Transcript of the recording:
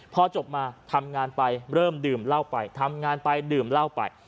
พอจบมาทำงานไปเริ่มดื่มเหล้าไปทำงานไปดื่มเหล้าไป